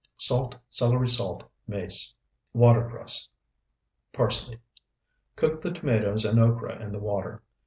Salt, celery salt, mace. Watercress, parsley. Cook the tomatoes and okra in the water.